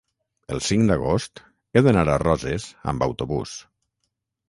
el cinc d'agost he d'anar a Roses amb autobús.